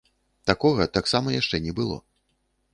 Такога таксама яшчэ не было.